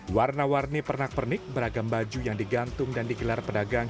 warna warni pernak pernik beragam baju yang digantung dan digelar pedagang